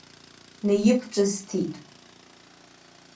Неиқәҿысҭит.